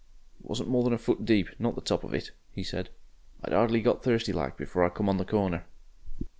"It wasn't more than a foot deep, not the top of it," he said. "I'd 'ardly got thirsty like, before I come on the corner."